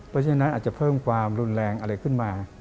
เพราะฉะนั้นอาจจะเพิ่มความรุนแรงอะไรขึ้นมา